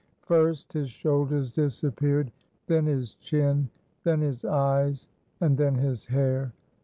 First his shoulders disappeared, then his chin, then his eyes, and then his hair.